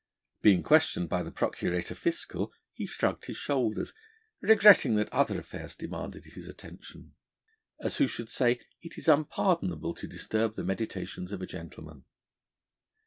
Being questioned by the Procurator Fiscal, he shrugged his shoulders, regretting that other affairs demanded his attention. As who should say: it is unpardonable to disturb the meditations of a gentleman.